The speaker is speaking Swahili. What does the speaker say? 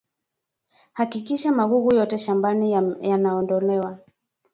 Hakikisha magugu yote shambani yanaondolewa